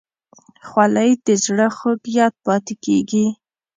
خولۍ د زړه خوږ یاد پاتې کېږي.